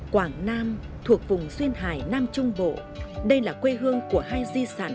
quảng nam thuộc vùng xuyên hà nội nằm lặng lẽ sau rừng trán sóng là bãi tắm sạch đẹp trong lành bãi cát trắng thoải dài còn nguyên sơ